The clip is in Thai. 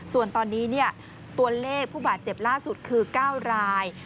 ส่วนตอนนี้ตัวเลขผู้บาดเจ็บล่าสุดคือ๙ราย